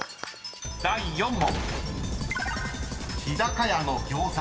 ［第４問］